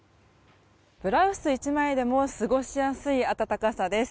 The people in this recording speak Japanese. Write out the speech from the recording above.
ブラウス１枚でも過ごしやすい暖かさです。